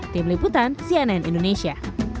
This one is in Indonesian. tim liputan cnn indonesia